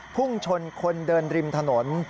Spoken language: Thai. พุ่งชนคนเดินริมถนน